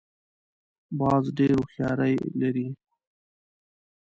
باز ډېره هوښیاري لري